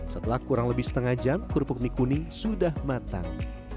setelah kurang lebih setengah jam kerupuk mie kuning sudah matang